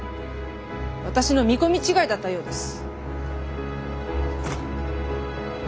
私の見込み違いだったようです。